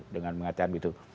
dengan mengatakan begitu